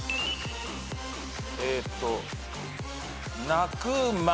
えっと。